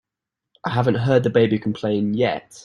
I haven't heard the baby complain yet.